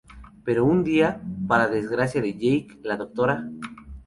Pero un día, para desgracia de Jake, la Dra.